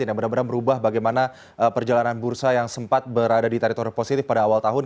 yang benar benar merubah bagaimana perjalanan bursa yang sempat berada di teritori positif pada awal tahun